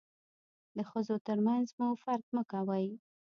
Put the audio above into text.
د ښځو تر منځ مو فرق مه کوئ.